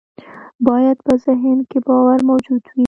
بايد په ذهن کې باور موجود وي.